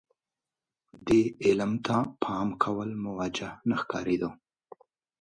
دې علم ته پام کول موجه نه ښکارېده.